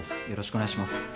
よろしくお願いします。